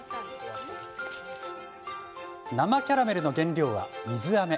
生キャラメルの原料は水あめ。